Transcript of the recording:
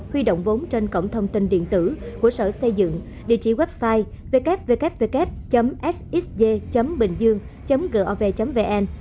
huy động vốn trên cổng thông tin điện tử của sở xây dựng địa chỉ website www sxg bìnhdương gov vn